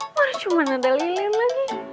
baru cuman ada lilin lagi